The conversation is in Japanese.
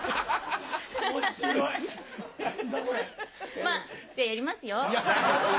まぁじゃやりますよ。